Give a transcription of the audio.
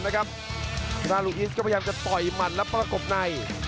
หน้าลูกอีสก็พยายามจะต่อยหมัดแล้วประกบใน